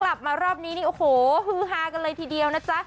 กลับมารอบนี้นี่โอ้โหฮือฮากันเลยทีเดียวนะจ๊ะ